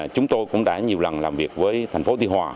chúng tôi cũng đã nhiều lần làm việc với thành phố tuy hòa